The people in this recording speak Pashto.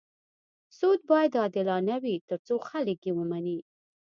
سود باید عادلانه وي تر څو خلک یې ومني.